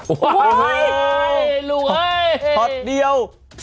โอ้โฮเฮ้ยลูกเฮ้ยช็อตเดียว